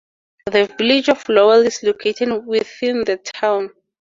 The Village of Lowell is located within the town.